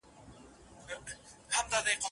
که دي قسمته ازلي وعده پښېمانه سوله